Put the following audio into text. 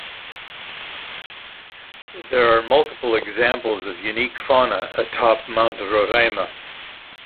There are multiple examples of unique fauna atop Mount Roraima.